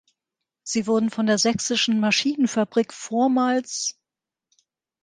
Sie wurden von der Sächsischen Maschinenfabrik vorm.